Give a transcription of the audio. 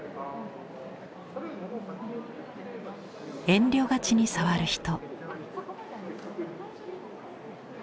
遠慮がちに触る人。